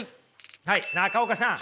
はい中岡さん。